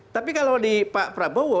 tapi kalau di pak prabowo